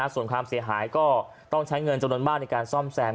ส่วนความเสียหายก็ต้องใช้เงินจำนวนมากในการซ่อมแซม